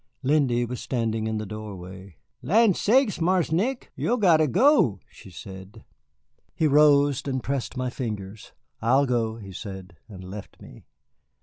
Lindy was standing in the doorway. "Lan' sakes, Marse Nick, yo' gotter go," she said. He rose and pressed my fingers. "I'll go," he said, and left me.